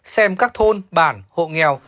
xem các thôn bản hộ nghèo